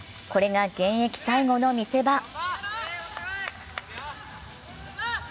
これが現役最後の見せ場。